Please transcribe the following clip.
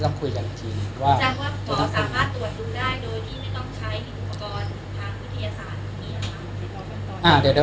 เพราะว่าอันได้ค่ะคือที่สังคมต้องใช้ว่ามีบ่าง